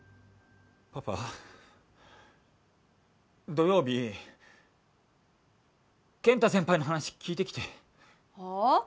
パパ土曜日健太先輩の話聞いてきてはあ？